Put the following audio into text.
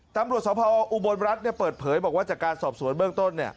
ตำรวจสภอุบลรัฐเปิดเผยบอกว่าจากการสอบสวนเบื้องต้น